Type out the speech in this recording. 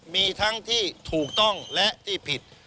มีทั้งที่ถูกต้องและที่ผิด